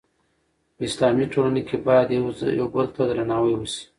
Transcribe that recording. په اسلامي ټولنه کې باید یو بل ته درناوی وشي.